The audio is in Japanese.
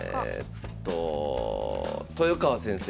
豊川先生。